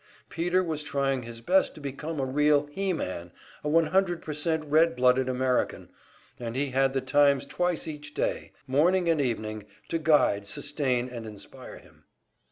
Peter was trying his best to become a real "he man," a 100% red blooded American, and he had the "Times" twice each day, morning and evening, to guide, sustain and inspire him.